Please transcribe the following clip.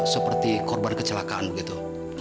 seperti korban kecelakaan begitu